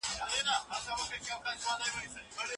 اګوستين د بشر په فطري ازادۍ بحث کړی دی.